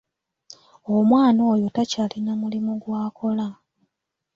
Omwana oyo takyalina mulimu gw'akola.